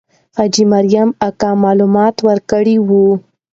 حاجي مریم اکا معلومات ورکړي وو.